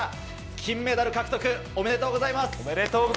金メダル獲得、ありがとうございます。